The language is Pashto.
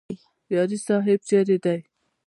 یاري صاحب چیرې دی؟